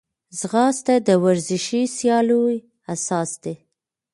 ځغاسته د ورزشي سیالیو اساس ده